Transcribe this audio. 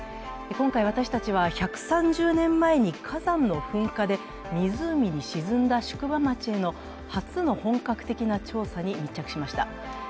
今回、私たちは１３０年前に火山の噴火で湖に沈んだ宿場町への初の本格的な調査に密着しました。